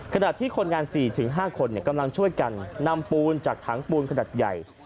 ขณะที่คนงาน๔๕คนกำลังช่วยกันนำปูนจากถังปูนขนาดใหญ่